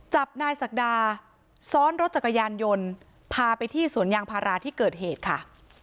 จับนายศักดาซ้อนรถจักรยานยนต์พาไปที่สวนยางพาราที่เกิดเหตุค่ะ